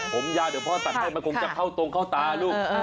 ผมยาวเดี๋ยวพ่อตัดให้มันคงจะเข้าตรงเข้าตาลูก